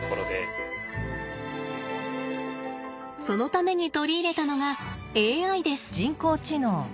そのために取り入れたのがＡＩです。